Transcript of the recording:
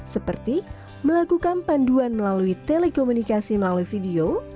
seperti melakukan panduan melalui telekomunikasi melalui video